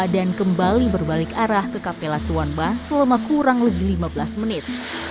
dan kembali berbalik arah ke kapela tuan ma selama kurang lebih lima belas menit